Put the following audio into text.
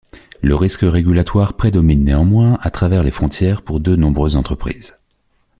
Le risque régulatoire prédomine néanmoins à travers les frontières pour de nombreuses entreprises.